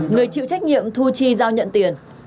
người chịu trách nhiệm thu chi giao nhận tiền